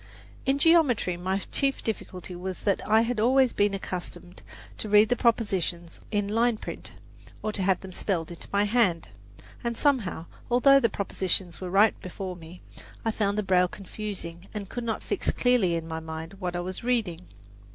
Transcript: In geometry my chief difficulty was that I had always been accustomed to read the propositions in line print, or to have them spelled into my hand; and somehow, although the propositions were right before me, I found the braille confusing, and could not fix clearly in my mind what I was reading.